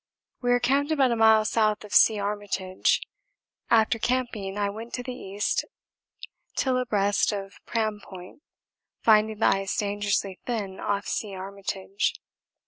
We are camped about a mile south of C. Armitage. After camping I went to the east till abreast of Pram Point, finding the ice dangerously thin off C. Armitage.